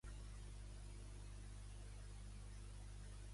Pregunta per Magí en Ton?